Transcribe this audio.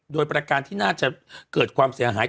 โดยประการที่น่าจะเกิดความเสียหาย